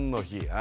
あ